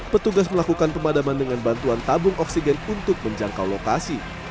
petugas melakukan pemadaman dengan bantuan tabung oksigen untuk menjangkau lokasi